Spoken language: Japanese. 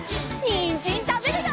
にんじんたべるよ！